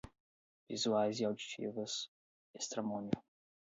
visuais e auditivas, estramónio